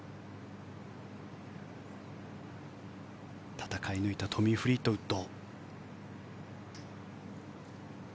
戦い抜いたトミー・フリートウッド。